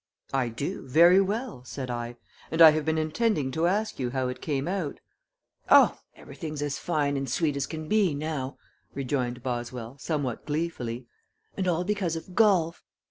"I do, very well," said I, "and I have been intending to ask you how it came out." "Oh, everything's as fine and sweet as can be now," rejoined Boswell, somewhat gleefully, "and all because of golf.